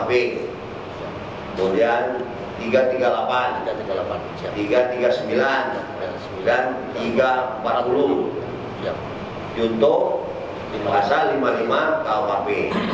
kemudian tiga ratus tiga puluh delapan tiga ratus tiga puluh sembilan dan tiga ratus empat puluh untuk pasal lima puluh lima kap